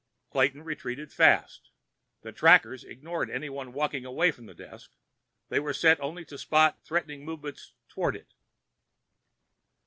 Clayton retreated fast. The trackers ignored anyone walking away from the desk; they were set only to spot threatening movements toward it.